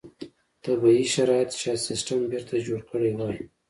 طبیعي شرایط شاید سیستم بېرته جوړ کړی وای.